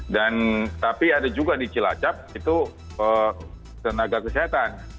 dan tapi ada juga di cilacap itu tenaga kesehatan